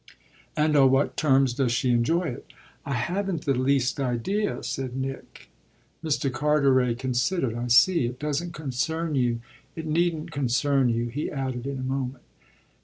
"And on what terms does she enjoy it?" "I haven't the least idea," said Nick. Mr. Carteret considered. "I see. It doesn't concern you. It needn't concern you," he added in a moment.